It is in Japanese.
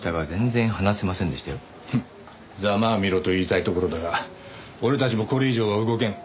ざまあみろと言いたいところだが俺たちもこれ以上は動けん。